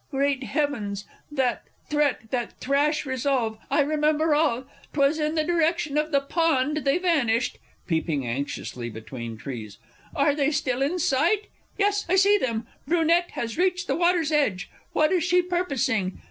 Great Heavens! that threat that rash resolve ... I remember all! 'Twas in the direction of the Pond they vanished. (Peeping anxiously between trees.) Are they still in sight? ... Yes, I see them? Brunette has reached the water's edge ... What is she purposing!